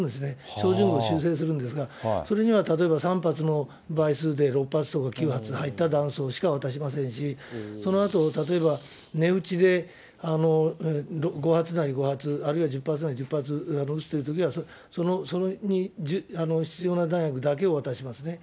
照準を修正するんですが、それには、例えば３発の倍数で６発とか９発入っただんそうしか渡しませんし、そのあと、例えば寝撃ちで５発なら５発、あるいは１０発なら１０発撃つというときは、それに必要な弾薬だけを渡しますね。